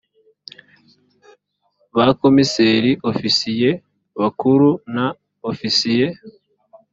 ba komiseri ofisiye bakuru na ofisiye